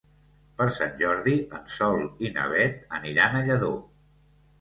Per Sant Jordi en Sol i na Beth aniran a Lladó.